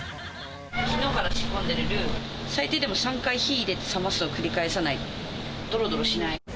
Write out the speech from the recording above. きのうから仕込んでいるルー、最低でも３回火入れて冷ますを繰り返さないとどろどろしない。